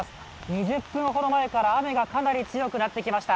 ２０分ほど前から雨がかなり強くなってきました。